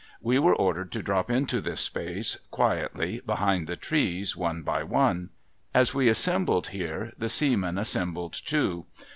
We were ordered to drop into this space, quietly, behind the trees, one by one. As v^'e assembled here, the seamen assembled too.